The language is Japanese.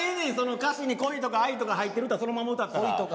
歌詞に恋とか愛とか入ってるのそのまま歌ったら。